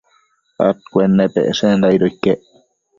adcuennepecshenda aido iquec